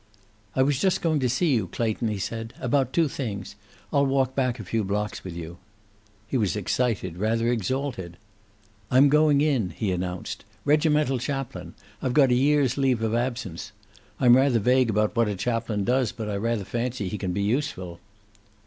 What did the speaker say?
"I was just going to see you, Clayton," he said. "About two things. I'll walk back a few blocks with you." He was excited, rather exalted. "I'm going in," he announced. "Regimental chaplain. I've got a year's leave of absence. I'm rather vague about what a chaplain does, but I rather fancy he can be useful."